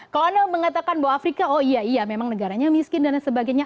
kalau anda mengatakan bahwa afrika oh iya iya memang negaranya miskin dan lain sebagainya